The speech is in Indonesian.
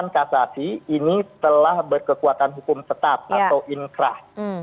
kasasi ini telah berkekuatan hukum tetap atau inkrah